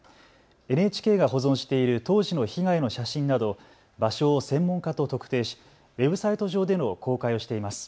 ＮＨＫが保存している当時の被害の写真など場所を専門家と特定しウェブサイト上での公開をしています。